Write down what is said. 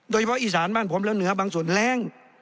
โดยเพราะอีสานบ้านผมและเหนือบางส่วนแรง